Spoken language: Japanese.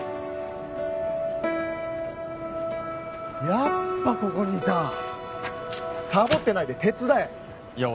やっぱここにいたさぼってないで手伝えいや